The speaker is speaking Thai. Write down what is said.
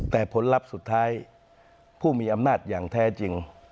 แต่ผลลัพธ์สุดท้ายผู้มีอำนาจอย่างแท้จริง